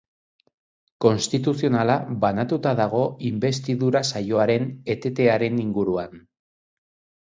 Konstituzionala banatuta dago inbestidura saioaren etetearen inguruan.